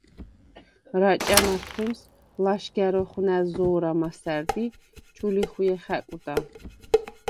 რაჭა̈ მათხვმის ლაშგა̈რ ოხვნა̈ზო̄რა მასა̈რდ ი ჩუ ლიხვიე ხა̈კვდა.